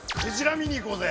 見に行こうぜ。